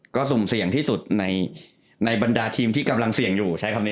ก็สุ่มเสี่ยงที่สุดในบรรดาทีมที่กำลังเสี่ยงอยู่ใช้คำนี้